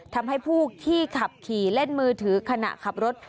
ทำให้ผู้ที่ขับขี่เล่นมือถือขณะขับรถ